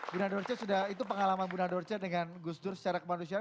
bunda dorce sudah itu pengalaman bunda dorce dengan gus dur secara kemanusiaan